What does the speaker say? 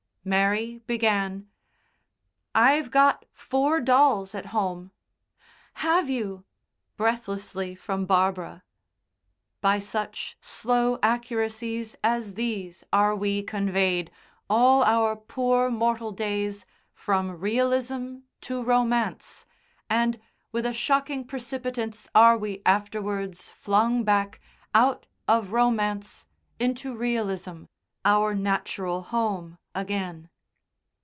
Mary began: "I've got four dolls at home." "Have you?" breathlessly from Barbara. By such slow accuracies as these are we conveyed, all our poor mortal days, from realism to romance, and with a shocking precipitance are we afterwards flung back, out of romance into realism, our natural home, again.